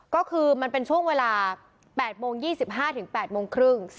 ก็คือมันเป็นช่วงเวลา๘โมง๒๕๘โมงครึ่ง